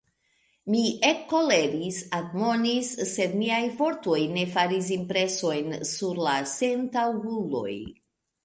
Mi ekkoleris, admonis, sed miaj vortoj ne faris impresojn sur la sentaŭguloj.